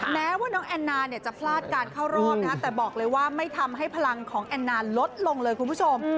แม้ว่าน้องแอนนาเนี่ยจะพลาดการเข้ารอบนะฮะแต่บอกเลยว่าไม่ทำให้พลังของแอนนาลดลงเลยคุณผู้ชม